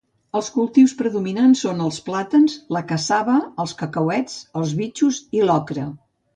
Els cultius predominants són els plàtans, la cassava, els cacauets, els bitxos i l'ocra.